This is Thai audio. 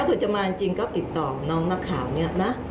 ถ้าคุณจะมาจริงก็ติดต่อน้องหน้าข่าวเนี่ยนะ